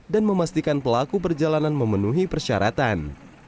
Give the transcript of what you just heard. dan memastikan pelaku perjalanan memenuhi persyaratan